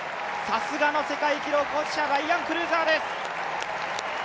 さすがの世界記録保持者ライアン・クルーザーです。